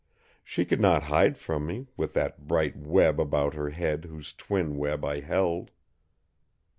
She could not hide from me, with that bright web about her head whose twin web I held.